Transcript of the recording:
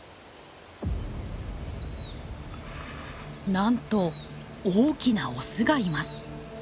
なんと大きなオスがいます。